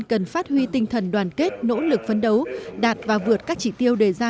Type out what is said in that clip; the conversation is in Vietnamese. cần phát huy tinh thần đoàn kết nỗ lực phấn đấu đạt và vượt các chỉ tiêu đề ra